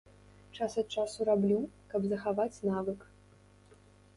Час ад часу раблю, каб захаваць навык.